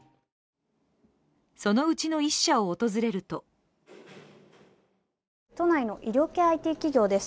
そのうちの１社を訪れると都内の医療系ＩＴ企業です。